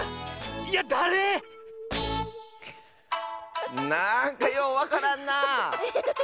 あれ⁉なんかようわからんな。